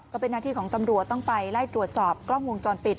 ก็เป็นหน้าที่ของตำรวจต้องไปไล่ตรวจสอบกล้องวงจรปิด